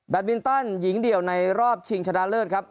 มินตันหญิงเดี่ยวในรอบชิงชนะเลิศครับ